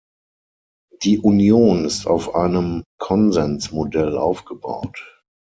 Die Union ist auf einem Konsensmodell aufgebaut.